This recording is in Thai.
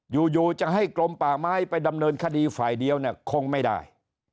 อยู่จะให้กรมป่าไม้ไปดำเนินคดีฝ่ายเดียวเนี่ยคงไม่ได้